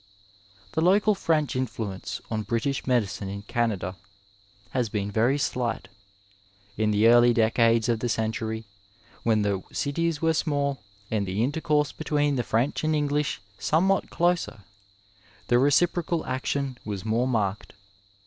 The local French influence on British medicine in Canada has been very slight. In the early decades of the century, when the cities were smaller, and the intercourse between the French and English somewhat closer, the reciprocal action was more marked.